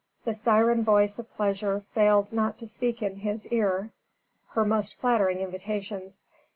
The siren voice of pleasure failed not to speak in his ear her most flattering invitations.